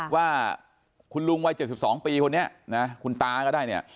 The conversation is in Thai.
ว่าคุณลุงวัย๗๒ปีคนนี้นะคุณตาก็ได้เนี่ย